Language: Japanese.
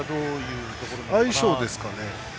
相性ですかね。